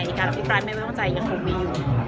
การอภิปรายไม่ไว้วางใจยังคงมีอยู่